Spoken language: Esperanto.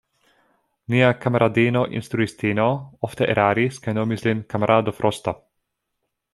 Nia kamaradino instruistino ofte eraris kaj nomis lin kamarado Frosto.